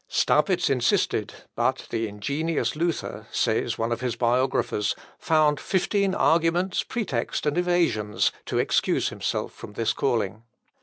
Staupitz insisted; but the ingenious Luther, says one of his biographers, found fifteen arguments, pretexts, and evasions, to excuse himself from this calling.